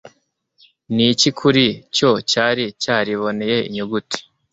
Niki kuri cyo cyari cyariboneye inyuguti